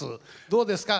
どうですか